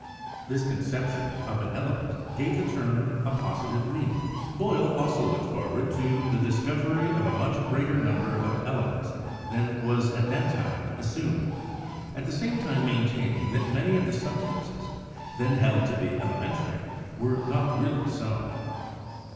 This conception of an element gave the term a positive meaning. Boyle also looked forward to the discovery of a much greater number of elements than was at that time as sumed, at the same time maintaining that many of the substances then held to be elementary were not really so.